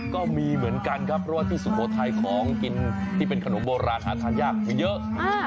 ก็มีเหมือนกันครับเพราะว่าที่สุโขทัยของกินที่เป็นขนมโบราณหาทานยากมีเยอะ